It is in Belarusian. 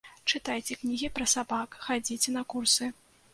Чытайце кнігі пра сабак, хадзіце на курсы.